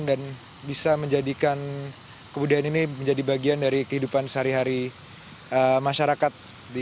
dan bisa menjadikan kebudayaan ini menjadi bagian dari kehidupan sehari hari masyarakat